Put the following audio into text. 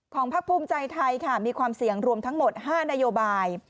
พักภูมิใจไทยค่ะมีความเสี่ยงรวมทั้งหมด๕นโยบาย